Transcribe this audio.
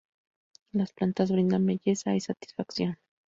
Las plantas brindan belleza y satisfacción.